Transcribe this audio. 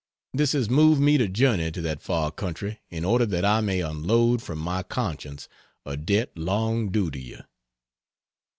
This has moved me to journey to that far country in order that I may unload from my conscience a debt long due to you.